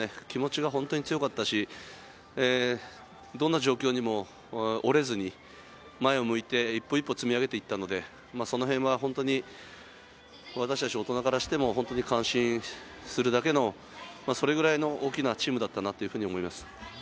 気持ちが本当に強かったし、どんな状況にも折れずに、前を向いて一歩一歩積み上げてきたので、そのへんは本当に私たち、大人からしても本当に感心するだけのそれぐらいの大きなチームだったなと思います。